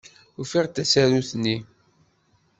Ufiɣ-d tasarut-nni.